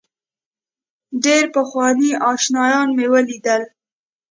ډېر پخواني آشنایان مې ولیدل.